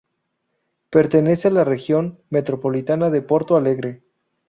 Pertenece a la región metropolitana de Porto Alegre.